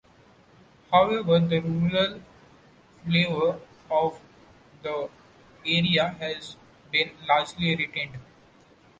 However, the rural flavor of the area has been largely retained.